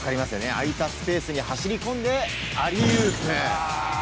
空いたスペースに走り込んでアリウープ。